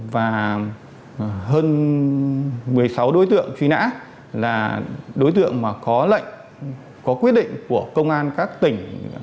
và hơn một mươi sáu đối tượng truy nã là đối tượng mà có lệnh có quyết định của công an các tỉnh